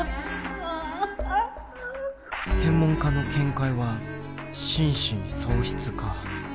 専門家の見解は心神喪失か。